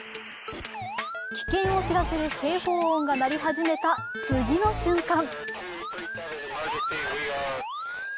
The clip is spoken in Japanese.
危険を知らせる警報音が鳴り始めた次の瞬間